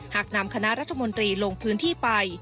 หากนำคณะรัฐมนตรีลงพื้นที่ไป